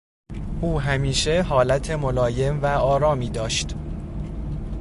او همیشه حالت ملایم و آرامی داشت.